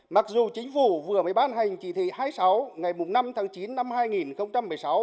mặc dù chính phủ vừa mới ban hành chỉ thị hai mươi sáu ngày năm tháng chín năm hai nghìn một mươi sáu